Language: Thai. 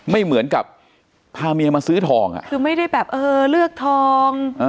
ไม่เหมือนกับพาเมียมาซื้อทองอ่ะคือไม่ได้แบบเออเลือกทอง